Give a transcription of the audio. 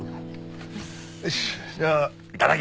よしじゃあいただきます。